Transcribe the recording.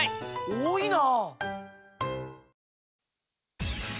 多いな！